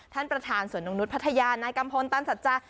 ท่านประธานสวนนกนุษย์พัทยานายกัมพลตันสัจจา